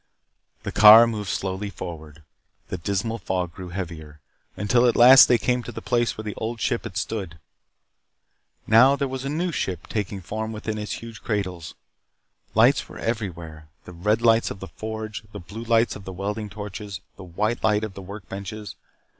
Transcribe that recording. The car moved slowly forward. The dismal fog grew heavier. Until at last they came to the place where the Old Ship had stood. Now there was a new ship taking form within its huge cradles. Lights were everywhere. The red lights of the forge. The blue lights of the welding torches, the white light of the workbenches.